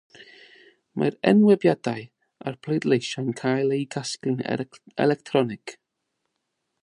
Mae'r enwebiadau a'r pleidleisiau'n cael eu casglu'n electronig.